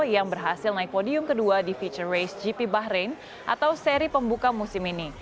yang berhasil naik podium kedua di future race gp bahrain atau seri pembuka musim ini